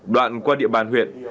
đoạn qua địa bàn huyện